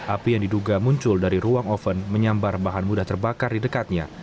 api yang diduga muncul dari ruang oven menyambar bahan mudah terbakar di dekatnya